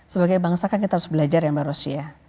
sebagai bangsa kan kita harus belajar ya mbak rosy ya